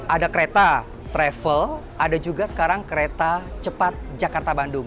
ada kereta travel ada juga sekarang kereta cepat jakarta bandung